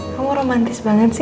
kamu romantis banget sih